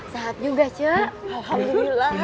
saat juga cek